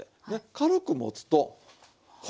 軽く持つとほら！